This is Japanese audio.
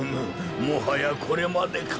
もはやこれまでか。